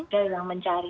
kita yang mencari